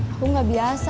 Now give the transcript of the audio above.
aku gak biasa